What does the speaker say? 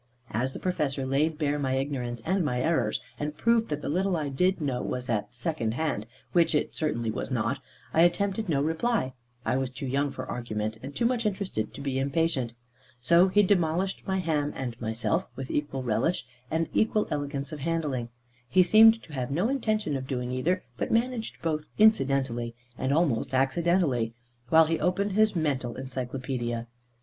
As the Professor laid bare my ignorance and my errors, and proved that the little I did know was at second hand which it certainly was not I attempted no reply; I was too young for argument, and too much interested to be impatient. So he demolished my ham and myself, with equal relish and equal elegance of handling. He seemed to have no intention of doing either, but managed both incidentally, and almost accidentally, while he opened his mental encyclopædia.